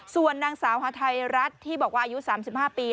ส่วนนางสาวฮาไทยรัฐที่บอกว่าอายุ๓๕ปี